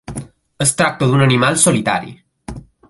Es tracta d'un animal solitari.